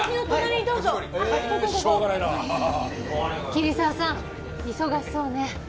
桐沢さん忙しそうね。